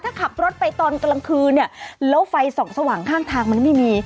ถ้าขับรถไปตอนกลางคืนเนี่ยแล้วไฟส่องสว่างข้างทางมันไม่มี